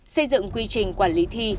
xây dựng quy trình quản lý thi